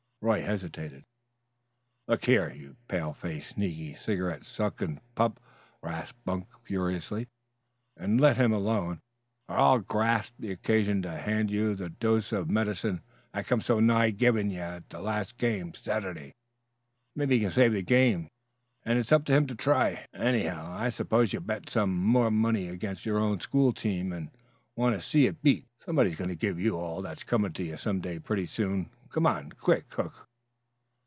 Roy hesitated. "Look here, you pale faced, sneaky, cigarette suckin' pup," rasped Bunk furiously, "you take your claws off his arm and let him alone, or I'll grasp the occasion to hand you the dose of medicine I come so nigh givin' ye at the game last Satterday. Mebbe he can save this game, and it's up to him to try, anyhow. I s'pose you've bet some more money ag'inst your own school team, and want to see it beat. Somebody's goin' to give you all that's coming some day pretty soon. Come on quick, Hook."